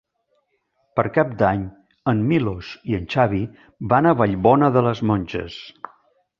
Per Cap d'Any en Milos i en Xavi van a Vallbona de les Monges.